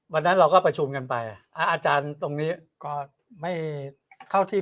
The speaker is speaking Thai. วันนั้นเราก็ประชุมกันไปอาจารย์ตรงนี้ก็ไม่เข้าที่